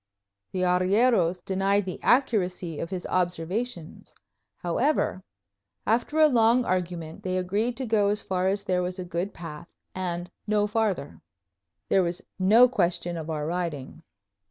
The arrieros denied the accuracy of his observations. However, after a long argument, they agreed to go as far as there was a good path, and no farther. There was no question of our riding.